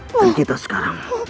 dan kita sekarang